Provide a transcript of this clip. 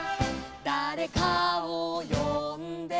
「だれかをよんで」